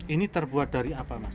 ini terbuat dari apa mas